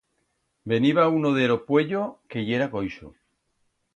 Veniba uno de ro Pueyo, que yera coixo.